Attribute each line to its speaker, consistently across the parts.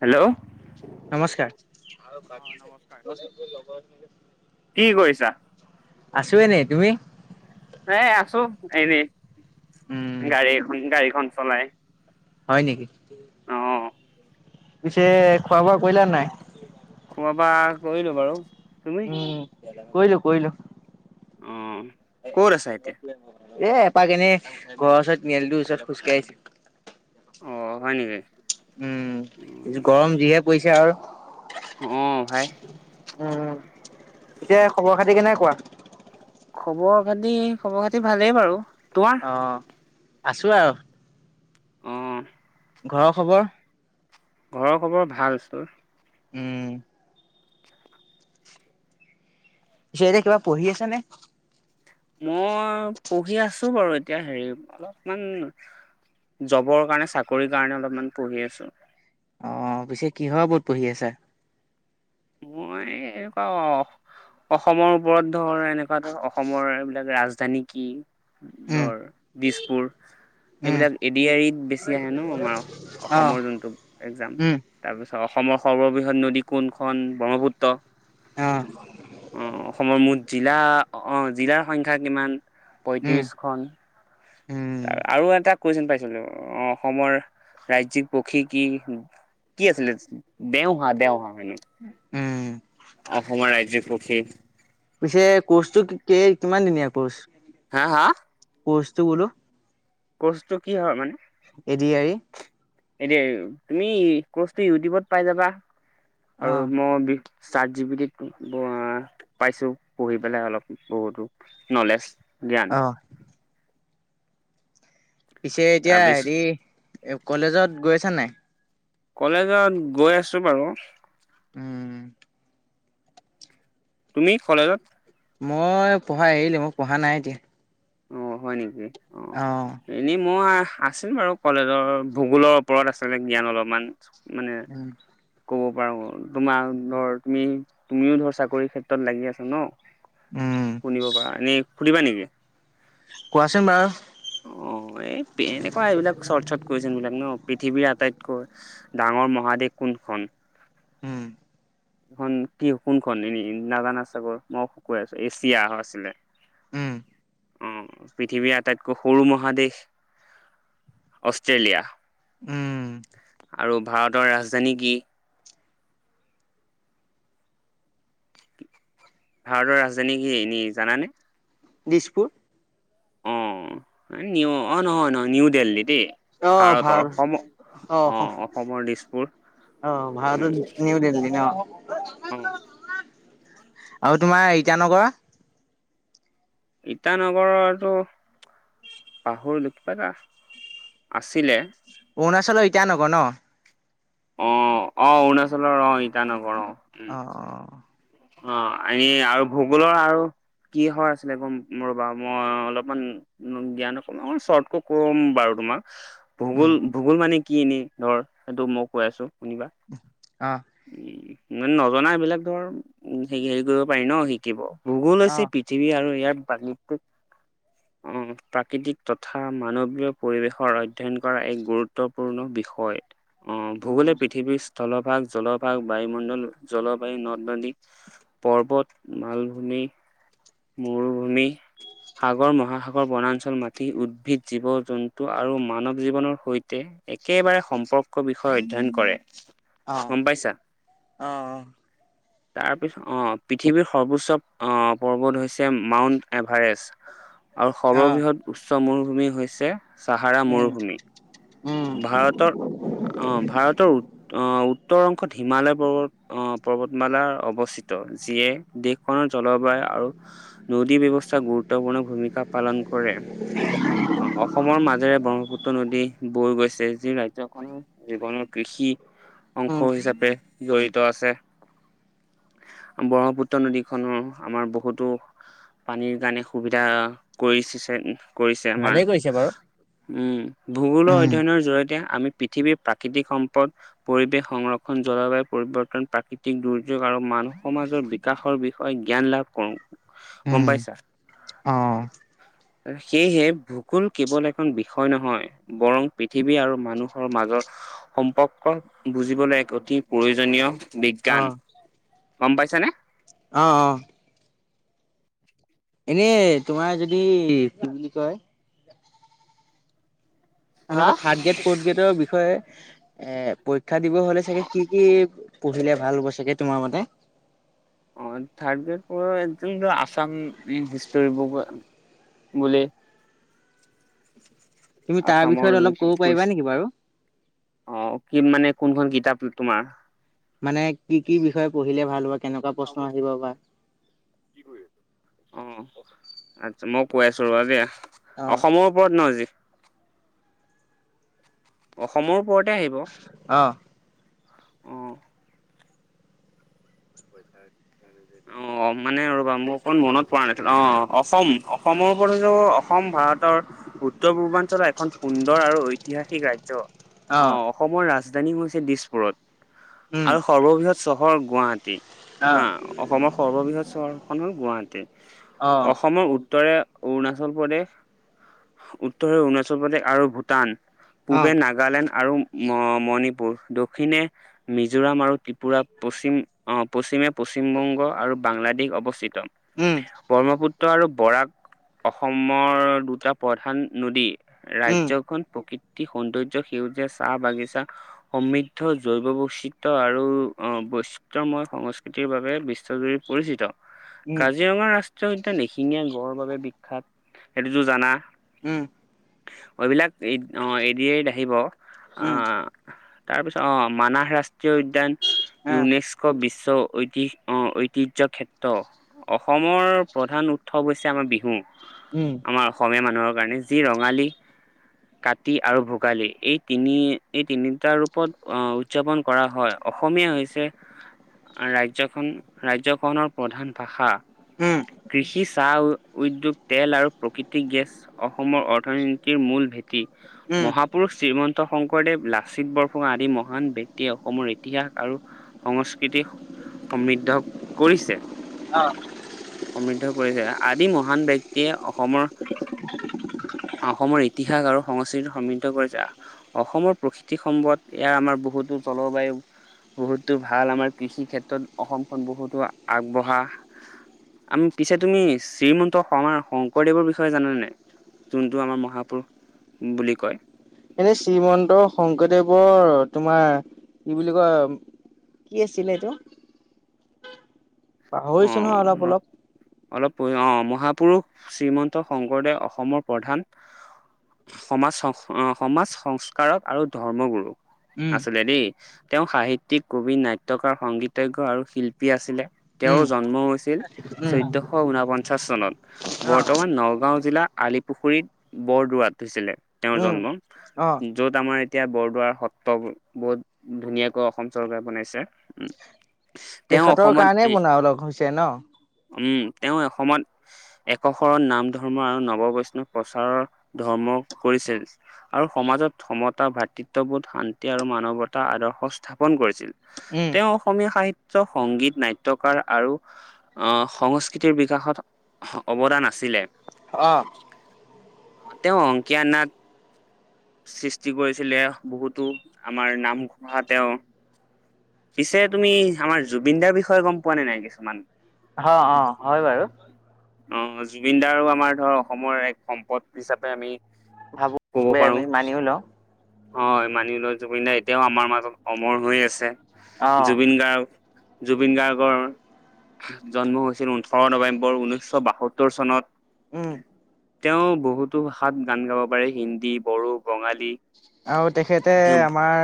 Speaker 1: Hello
Speaker 2: নমস্কাৰ আৰু
Speaker 1: অ
Speaker 2: বাকী আছে
Speaker 1: নমস্কাৰ
Speaker 2: প্ৰজেকটোৰ লগত
Speaker 1: কি কৰিছা
Speaker 2: আছো এনে তুমি
Speaker 1: এ আছো এনেই
Speaker 2: উম
Speaker 1: গাড়ী এখন গাড়ীখন চলাই
Speaker 2: হয় নেকি
Speaker 1: অ
Speaker 2: পিছে খোৱা বোৱা কৰিলা নে নাই।
Speaker 1: খোৱা বা কৰিলোঁ বাৰু তুমি
Speaker 2: উম কৰিলোঁ কৰিলোঁ।
Speaker 1: অ ক'ত আছা এতিয়া
Speaker 2: এ এপাক এনে ঘৰৰ ওচৰত মেলটোৰ ওচৰত খোজকাঢ়িছো।
Speaker 1: অ হয় নেকি?
Speaker 2: উম গৰম যিহে পৰিছে আৰু
Speaker 1: উম ভাই
Speaker 2: উম এতিয়া খবৰ খাতি কেনে কোৱা
Speaker 1: খবৰ খাতি খবৰ খাতি ভালেই বাৰু তোমাৰ
Speaker 2: অ আছো আৰু
Speaker 1: উম
Speaker 2: ঘৰৰ খবৰ
Speaker 1: ঘৰৰ খবৰ ভাল ছাৰ।
Speaker 2: উম। পিছে এতিয়া কিবা পঢ়ি আছ নে।
Speaker 1: মই পঢ়ি আছো বাৰু এতিয়া হেৰি অলপমান। জবৰ কাৰণে চাকৰিৰ কাৰণে অলপমান পঢ়ি আছো
Speaker 2: অ পিছে কিহৰ ওপৰত পঢ়ি আছা।
Speaker 1: মই [unintelligible] অসমৰ ওপৰত ধৰ এনেকুৱা ধৰ অসমৰ এইবিলাক ৰাজধানী কি।
Speaker 2: উম
Speaker 1: ধৰ দিছপুৰ।
Speaker 2: উম
Speaker 1: এইবিলাক এডি আই ত বেছি আহে ন আমাৰ
Speaker 2: অ
Speaker 1: অসমৰ যোনটো একজাম
Speaker 2: উম
Speaker 1: তাৰ পিছত। তাহ অসমৰ সৰ্ববৃহৎ নদী কোনখন ব্ৰহ্মপুত্ৰ
Speaker 2: অ
Speaker 1: অ অসমৰ মুঠ জিলা আহ জিলাৰ সংখ্যা কিমান?
Speaker 2: উম
Speaker 1: পঁয়ত্ৰিছখন।
Speaker 2: উম
Speaker 1: আৰু এটা কুৱেচন পাইছিলো অ অসমৰ ৰাজ্যিক পক্ষী কি? কি আছিলে দেওঁ হা দেওঁ হা মনুচ
Speaker 2: উম
Speaker 1: অসমৰ ৰাজ্যিক পক্ষী
Speaker 2: পিছে কৰ্চটো কেই কিমান দিনীয়া কৰ্চ
Speaker 1: হা হা
Speaker 2: কৰ্চটো বোলো
Speaker 1: কৰ্চটো কি হয় মানে
Speaker 2: এডয়াৰি।
Speaker 1: এতিয়া তুমি কৰ্ছটো ইউটিউবত পাই যাবা আৰু
Speaker 2: অ
Speaker 1: মই [unintelligible] চাৰ্ট জি পিটিত আ পাইছো পঢ়ি পেলাই অলপ বহুতো নলেজ। জ্ঞান।
Speaker 2: পিছে এতিয়া
Speaker 1: তাৰপিছত
Speaker 2: হেৰি এ কলেজত গৈ আছা নাই।
Speaker 1: কলেজত গৈ আছো বাৰু।
Speaker 2: উম'উম
Speaker 1: তুমি কলেজত।
Speaker 2: মই পঢ়া এৰিলোঁ, পঢ়া নাই এতিয়া।
Speaker 1: অ হয় নেকি অ
Speaker 2: উম
Speaker 1: এনে মই আছিল বাৰু, কলেজৰ ভূগোলৰ ওপৰত আছিলে জ্ঞান অলপমান। মানে গ। বাৰু তোমাৰ ধৰ তুমি, তুমিও ধৰ চাকৰি ক্ষেত্ৰত লাগি আছা ন।
Speaker 2: উম
Speaker 1: শুনিব পাৰা এনেই সুধিবা নেকি।
Speaker 2: কোৱাচোন বাৰু,
Speaker 1: অ অ এই এনেকুৱা এইবিলাক চৰ্ট চৰ্ট কুয়েচন বিলাক ন, পৃথিৱীৰ আটাইতকৈ ডাঙৰ মহাদেশ কো কোন খন।
Speaker 2: উম।
Speaker 1: খন কি কোনখন এনে নাজানা চাকৰ মই শুকুৱাই আছোঁ। এছিয়া আছিলে।
Speaker 2: উম
Speaker 1: অ' পৃথিৱীৰ আটাইতকৈ সৰু মহাদেশ অষ্ট্ৰেলিয়া।
Speaker 2: উম'।
Speaker 1: আৰু ভাৰতৰ ৰাজধানী কি? ভাৰতৰ ৰাজধানী কি। এনে জানানে?
Speaker 2: দিছপুৰ।
Speaker 1: অ' নিউ, নহয় নহয় নিউ দেল্লহি দে।
Speaker 2: অ
Speaker 1: ভাৰতৰ
Speaker 2: ভাৰত
Speaker 1: অসম
Speaker 2: অ
Speaker 1: আহ অসমৰ দিছপুৰ [unintelligible]
Speaker 2: অ' ভাৰতৰ নিউ দেল্লহি ন।
Speaker 1: হম।
Speaker 2: আৰু তোমাৰ ইটানগৰ
Speaker 1: ইটানগৰ এইটো। পাহুৰ লখিবা আছিলে।
Speaker 2: অৰুণাচলৰ এতিয়া নগৰ ন।
Speaker 1: অ', অ' অৰুণাচলৰ অ' ইটানগৰ অ'। উম
Speaker 2: অ' অ'।
Speaker 1: অ' এনে আৰু ভূগোলৰ আৰু। কি হয় আছিলে, গম কম ৰ'বা মই অলপমান জ্ঞান নকম অ' শ্বৰ্টকৈ কম বাৰু তোমাক। ভূগোল
Speaker 2: উম
Speaker 1: ভূগোল মানে কি এনেই ধৰ সেইটো মই কৈ আছো [unintelligible]
Speaker 2: অ'।
Speaker 1: মে নজনা এইবিলাক ধৰ হে হেৰি কৰিব পাৰি ন শিকিব ভূগোল
Speaker 2: অ
Speaker 1: হৈছে পৃথিৱী আৰু ইয়াৰ পানী টুপ। আহ প্ৰাকৃতিক তথা মানৱীয় পৰিৱেশৰ অধ্যয়ন কৰা এক গুৰুত্বপূৰ্ণ। বিষয় অ' ভূগোলে
Speaker 2: উম
Speaker 1: পৃথিৱীৰ স্থলভাগ জলপায় বায়ুমণ্ডল জলবায়ু নদ নদী পৰ্বত মালভূমি, মৰুভূমি। সাগৰ মহাসাগৰ বনাঞ্চল মাটি উদ্ভিদ জীৱ জন্তু আৰু মানৱ জীৱনৰ সৈতে [unintelligible] একেবাৰে সম্পৰ্ক বিষয়ে অধ্যয়ন কৰে।
Speaker 2: অ
Speaker 1: গম পাইছা
Speaker 2: অ
Speaker 1: [unintelligible] তাৰ পিছত অ পৃথিৱীৰ সৰ্বোচ্চ আহ' পৰ্বত হৈছে মাউণ্ট এব্ ভাৰেছ আৰু
Speaker 2: অ
Speaker 1: সৰ্ববৃহৎ উচ্চ মৰুভূমি হৈছে চাহাৰা
Speaker 2: উম
Speaker 1: মৰুভূমি [unintelligible]
Speaker 2: উম
Speaker 1: ভাৰতৰ, অ' ভাৰতৰ উ আহ উত্তৰ অংশত হিমালয় পৰ্বত আহ পৰ্বতমালাৰ অৱস্থিত। যিয়ে দেশখনৰ জলবায়ু আৰু নদী ব্যৱস্থা গুৰুত্বপূৰ্ণ ভূমিকা পালন কৰে আহ অসমৰ মাজেৰে ব্ৰহ্মপুত্ৰ নদী বৈ গৈছে যি ৰাজ্যখনৰ জীৱনৰ কৃষি অংশ
Speaker 2: উম
Speaker 1: হিচাপে জড়িত। আছে ব্ৰহ্মপুত্ৰ নদীখনৰ আমাৰ বহুতো পানীৰ কাৰণে সুবিধা কৰিছে। কৰিছে আমাৰ
Speaker 2: ভালেই কৰিছে বাৰু
Speaker 1: উম ভূগোলৰ।
Speaker 2: উম
Speaker 1: অধ্যয়নৰ জৰিয়তে আমি পৃথিৱীৰ প্ৰাকৃতিক সম্পদ পৰিৱেশ সংৰক্ষণ জলবায়ু পৰিৱৰ্তন প্ৰাকৃতিক দুৰ্যোগ আৰু মানুহ সমাজৰ বিকাশৰ বিষয়ে জ্ঞান লাভ কৰো গম
Speaker 2: উম,
Speaker 1: পাইছা।
Speaker 2: অ'
Speaker 1: সেয়েহে ভূগোল কেৱল এখন বিষয় নহয় বৰং পৃথিৱী আৰু মানুহৰ মাজৰ সম্পৰ্ক বুজিবলৈ এক অতি প্ৰয়োজনীয়। বিজ্ঞান
Speaker 2: অ',
Speaker 1: গম পাইছানে।
Speaker 2: অ', অ'। এনে তোমাৰ যদি কি বুলি কয়
Speaker 1: হা?
Speaker 2: এনেকুৱা থাৰ্ড গ্ৰেড ফৰ্থ গ্ৰেডৰ বিষয়ে এ শিক্ষা দিব হলে চাগে কি কি পঢ়িলে ভাল হ'ব চাগে তোমাৰ মতে
Speaker 1: অ থাৰ্ড গ্ৰেড পদ আসাম হিষ্টৰি বুক বোলে
Speaker 2: তুমি তাৰ
Speaker 1: আছামৰ
Speaker 2: বিষয়ত
Speaker 1: যোন
Speaker 2: অলপ ক'ব
Speaker 1: ক
Speaker 2: পাৰিবা নেকি বাৰু?
Speaker 1: অ কি মানে কোনখনোন কিতাপ তোমাৰ
Speaker 2: মানে কি কি বিষয়ে? পঢ়িলে ভাল হব কেনেকুৱা প্ৰশ্ন আহিব বা
Speaker 1: অ আচ্ছা মই কৈ আছো ৰবা দিয়া
Speaker 2: অ',
Speaker 1: অসমৰ ওপৰত ন আজি অসমৰ ওপৰতে আহিব।
Speaker 2: অ',
Speaker 1: অ অ' মানে ৰবা মোৰ অকণ মনত পৰা নাছিলে অ' অসম। সমৰ উপযোগ অসম ভাৰতৰ উত্তৰ পূৰ্বাঞ্চলৰ এখন সুন্দৰ আৰু ঐতিহাসিক ৰাজ্য অ অসমৰ ৰাজধানী হৈছে দিছপুৰত
Speaker 2: উম,
Speaker 1: আৰু সৰ্ববৃহৎ চহৰ গুৱাহাটী হা
Speaker 2: অ',
Speaker 1: অসমৰ সৰ্ববৃহৎ চহৰখন হ'ল গুৱাহাটী
Speaker 2: অ',
Speaker 1: অসমৰ উত্তৰে অৰুণাচল প্ৰদেশ উত্তৰে অৰুণাচল প্ৰদেশ আৰু ভূটান পূবে
Speaker 2: অ',
Speaker 1: নাগালেণ্ড আৰু ম মণিপুৰ দক্ষিণে মিজোৰাম আৰু ত্ৰিপুৰা পশ্চিম অ' পশ্চিমে পশ্চিমবংগ আৰু বাংলাদেশ অৱস্থিত
Speaker 2: উম,
Speaker 1: ব্ৰহ্মপুত্ৰ। আৰু বৰাক অসমৰ দুটা প্ৰধান নদী
Speaker 2: উম,
Speaker 1: ৰাজ্যখন প্ৰকৃত সৌন্দৰ্য সেউজীয়া চাহ বাগিচা সমৃদ্ধ জৈৱ বৈচিত আৰু। পিত্ৰময় সংস্কৃতিৰ বাবে বিশ্বজুৰি পৰিচিত।
Speaker 2: উম,
Speaker 1: কাজিৰঙা ৰাষ্ট্ৰীয় উদ্যয়ান নিশিঙীয়া গড়ৰ বাবে বিখ্যাত সেইটোতোৰ জানা।
Speaker 2: উম।
Speaker 1: এইবিলাক এদি এৰি আহিব।
Speaker 2: উম,
Speaker 1: তাৰপিছত অ মানাহ ৰাষ্ট্ৰীয় উদ্যান
Speaker 2: আ,
Speaker 1: ইউনেস্কো বিশ্ব ঐতিহ অ' ঐতিহ ঐতিৰ্যক্ষেত্ৰ অসমৰ প্ৰধান উৎসৱ হৈছে আমাৰ বিহু।
Speaker 2: উম,
Speaker 1: আমাৰ অসমীয়া মানুহৰ কাৰণে যি ৰঙালী কাতি আৰু ভোগালী এই তিনি এই তিনিটা ৰূপত আহ উদযাপন কৰা হয় অসমীয়া হৈছে ৰাজ্যখন ৰাজ্যখনৰ প্ৰধান ভাষা
Speaker 2: উম,
Speaker 1: কৃষি চাহ উদ্যোগ তেল আৰু প্ৰকৃতিক গেছ অসমৰ অৰ্থনীতিৰ মূল ভেটি
Speaker 2: উম,
Speaker 1: মহাপুৰুষ শ্ৰীমন্ত শংকৰদেৱ লাচিত বৰফুঙা আদি মহান ব্যক্তিয়ে অসমৰ ইতিহাস আৰু সংস্কৃতি সমৃদ্ধ কৰিছে
Speaker 2: অ'।
Speaker 1: সমৃদ্ধ কৰিছে আদি মহান ব্যক্তিয়ে অসমৰ অসমৰ ইতিহাস আৰু সংস্কৃতি সমৃদ্ধ কৰি যা অসমৰ প্ৰকৃতি সম্পদ ইয়াৰ আমাৰ বহুত জলবায়ু বহুত। ভাল আমাৰ কৃষি ক্ষেত্ৰত অসমখন বহুতো আগবঢ়া। আমি পিছে তুমি শ্ৰীমন্ত শমাৰ শংকৰদেৱৰ বিষয়ে জানা নে নাই। যোনটো আমাৰ মহাপুৰুষ বুলি কয়
Speaker 2: এনেই শ্ৰীমন্ত শংকৰদেৱৰ তোমাৰ কি বুলি কয় কি আছিলে এইটো পাহৰিছো নহয় অলপ অলপ
Speaker 1: অলপ় অ মহাপুৰুষ শ্ৰীমন্ত শংকৰদেৱ অসমৰ প্ৰধান সমাজ সমাজ সংস্কাৰক আৰু ধৰ্ম গুৰু
Speaker 2: উম
Speaker 1: আছিলে দেই তেওঁ সাহিত্যিক কবি নাট্যাকাৰ সংগীতজ্ঞ আৰু শিল্পী আছিলে তেওঁৰ
Speaker 2: উম
Speaker 1: জন্ম হৈছিল
Speaker 2: উম
Speaker 1: চৈধ্যয়শ ঊনপঞ্চাশ চনত
Speaker 2: অ
Speaker 1: বৰ্তমান নগাঁও জিলা আলিপুখুৰীত বৰদোৱাত হৈছিলে তেওঁৰ
Speaker 2: উম
Speaker 1: জন্ম
Speaker 2: অ
Speaker 1: য'ত আমাৰ এতিয়া বৰদোৱাৰ সত্ৰ বহুত ধুনীয়াকৈ অসম চৰকাৰে বনাইছে উম তেওঁ
Speaker 2: তেখেতৰ
Speaker 1: অসমত
Speaker 2: কাৰণেই
Speaker 1: এ
Speaker 2: বন [unintelligible] হৈছে ন
Speaker 1: উম তেওঁ এ অসমত একশৰণ নাম ধৰ্ম আৰু নৱ বৈষ্ণৱ প্ৰচাৰৰ ধৰ্ম কৰিছিল আৰু সমাজত সমতা ভাতৃত্ববোধ শান্তি আৰু মানৱতা আদৰ্শ স্থাপন কৰিছিল।
Speaker 2: উম
Speaker 1: তেওঁ অসমীয়া সাহিত্য সংগীত নাট্য নাট্যকাৰ আৰু আহ সংস্কৃতিৰ বিকাশত অৱদান আছিলে
Speaker 2: অ
Speaker 1: অ তেওঁ অংকিয়া নাট সৃষ্টি কৰিছিলে বহুতো আমাৰ নামঘোষা তেওঁ পিছে তুমি আমাৰ জুবিন দাৰ বিষয়ে গম পোৱা নে নাই কিছুমান
Speaker 2: অ অ হয় বাৰু
Speaker 1: অ জুবিন দাৰো আমাৰ ধৰ অসমৰ এক সম্পদ হিচাপে আমি
Speaker 2: ভাবো
Speaker 1: কব
Speaker 2: সবে আমি
Speaker 1: পাৰো
Speaker 2: মানিও লওঁ
Speaker 1: হয় মানিলয় জুবিন গাৰ্গ এতিয়াও আমাৰ মাজত অমৰ হৈ আছে
Speaker 2: অ
Speaker 1: জুবিন গাৰ্গ জুবিন গাৰ্গৰ জন্ম হৈছিল ওঠৰ নৱেম্বৰ ঊনৈশ বাসত্তৰ চনত।
Speaker 2: উম।
Speaker 1: তেওঁ বহুতো ভাষাত গান গাব পাৰে হিন্দী বড়ো বঙালী।
Speaker 2: আৰু তেখেতে
Speaker 1: তেওঁ
Speaker 2: আমাৰ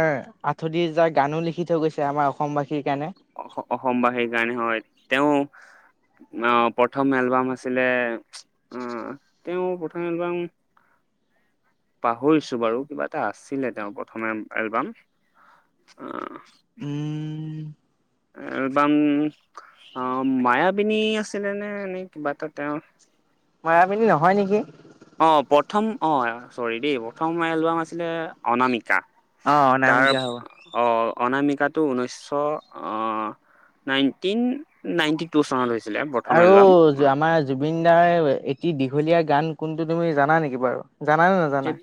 Speaker 2: আঠতিৰিশ হেজাৰ গানো লিখি থৈ গৈছে আমাৰ অসমবাসীৰ কাৰণে।
Speaker 1: অসমবাসীৰ কাৰণে হয় তেওঁ। আহ প্ৰথম এলবাম আছিলে আহ তেওঁ প্ৰথম এলবাম। পাহৰিছো বাৰু কিবা এটা আছিলে তেওঁ প্ৰথমে এলবাম অ'।
Speaker 2: উম
Speaker 1: এলবাম মায়াবিনী আছিলে নে এনে ই কিবা এটা তেওঁৰ।
Speaker 2: মায়াবিনী নহয় নেকি?
Speaker 1: অ' প্ৰথম অ' চৰি দেই প্ৰথম এলবাম আছিলে অনামিকা।
Speaker 2: অ
Speaker 1: তাৰ
Speaker 2: অনামিকা হ'ব
Speaker 1: অ'। অনামিকাটো ঊনৈছশ নাইনটিন নাইণ্টি টু চনলৈ হৈছে।
Speaker 2: আৰু আমাৰ। জুবিন দাৰ এটি দীঘলীয়া গান কোনটো তুমি জানা নেকি বাৰু জানানে নাজানা।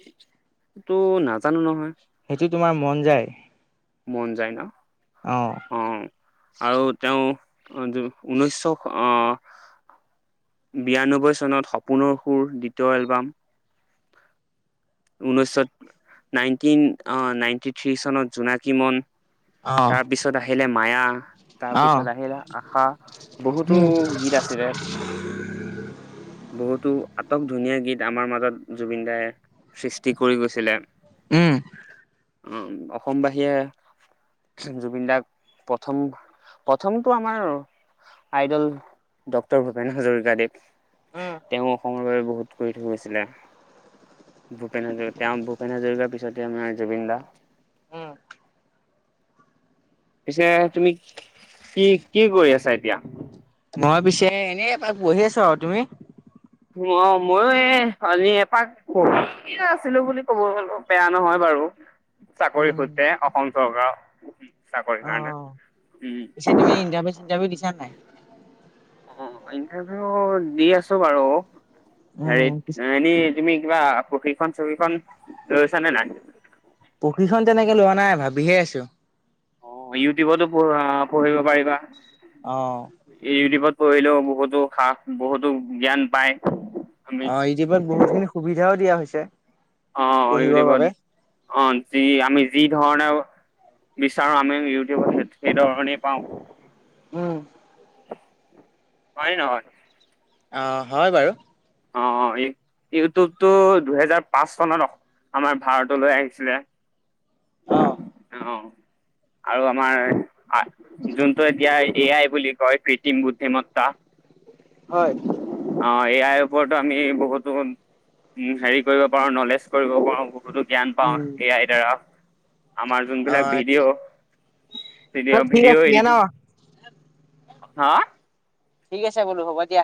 Speaker 1: টো নাজানো নহয়।
Speaker 2: সেইটো তোমাৰ মন যায়।
Speaker 1: মন যায় ন।
Speaker 2: অ'।
Speaker 1: আৰু তেওঁ উন্যসো আহ বিৰান্নবৈ চনত সপোনৰ সুৰ দ্বিতীয় এলবাম ঊনৈছশ নাইনটিন নাইনটি থ্ৰী চনত জোনাকী মন।
Speaker 2: অ',
Speaker 1: তাৰপিছত আহিলে মায়া
Speaker 2: অ',
Speaker 1: তাৰপিছত আহিলে আশা বহুতো
Speaker 2: উম,
Speaker 1: গীত আছিলে। বহুতো, আটক ধুনীয়া গীত আমাৰ মাজত জুবিন দাই সৃষ্টি কৰি গৈছিলে।
Speaker 2: উম,
Speaker 1: উ অসমবাসীয়ে, জুবিন দাক প্ৰথম প্ৰথমটো আমাৰ আইদল ড্টৰ ভূপেন হাজৰিকাদেৱ
Speaker 2: উম,
Speaker 1: তেওঁ অসমৰ বাবে বহুত কৰি থৈ গৈছিলে। ভূপেন হাজৰিকা, তেওঁ ভূপেন হাজৰিকাৰ পিছতে আমাৰ জুবিন দা।
Speaker 2: উম।
Speaker 1: পিছে তুমি কি কি কৰি আছা এতিয়া?
Speaker 2: মই পিছে এনেই পঢ়ি আছো আৰু, তুমি?
Speaker 1: অ', ময়ো এই আজি এপাক পঢ়িয়ে আছিলো বুলি ক'ব বেয়া নহয় বাৰু। চাকৰি
Speaker 2: উম,
Speaker 1: সূত্ৰে অসম চৰকাৰৰ। চাকৰিৰ কাৰণে
Speaker 2: অ',
Speaker 1: উম
Speaker 2: পিছে তুমি ইণ্টাৰভিউ চিটাৰভিউ দিছা নাই?
Speaker 1: অ', ইণ্টাৰভিউ দি আছো বাৰু
Speaker 2: উম,
Speaker 1: হেৰিত এনে তুমি কিবা পশিক্ষণখন চশিক্ষণখন লৈছা নে নাই?
Speaker 2: প্ৰশিক্ষণ তেনেকে লোৱা নাই ভাবিহে আছো।
Speaker 1: অ' ইউটিউবতো পঢ পঢ়িব পাৰিবা
Speaker 2: অ',
Speaker 1: এই ইউটিউবত কৰিলেও বহুতো সাহ বহুতো জ্ঞান পায়। আমি
Speaker 2: অ ইটিপত বহুতখিনি সুবিধাও দিয়া হৈছে।
Speaker 1: অ'
Speaker 2: পঢ়িবৰ
Speaker 1: ইউটিউবত
Speaker 2: বাবে।
Speaker 1: অ' যি আমি যি ধৰণে বিচাৰো আমি ইউটিউবত সেইধৰণেই পাওঁ।
Speaker 2: উম,
Speaker 1: হয় ন হয়,
Speaker 2: অ' হয় বাৰু।
Speaker 1: অ', অ' এই, ইউটিউবতটো দুহেজাৰ পাঁচ চনত আমাৰ ভাৰতলৈ আহিছিলে।
Speaker 2: অ'।
Speaker 1: অ'। আৰু আমাৰ যোনটো এতিয়া এ আই বুলি কয় কৃত্ৰিম বুদ্ধিমত্তা
Speaker 2: হয়।
Speaker 1: এই আইৰ ওপৰতো আমি বহুতো উ হেৰি কৰিব পাৰো নলেজ কৰিব পাৰো। বহুতো জ্ঞান পাওঁ
Speaker 2: উম,
Speaker 1: এ য়াই দ্বাৰা আমাৰ যোনবিলাক
Speaker 2: অ',
Speaker 1: ভিডিঅ'
Speaker 2: ঠিক
Speaker 1: ভিডিঅ
Speaker 2: আছে দিয়া
Speaker 1: এডিটিং
Speaker 2: ন'
Speaker 1: হা
Speaker 2: ঠিক আছে বোলো হ'ব দিয়া।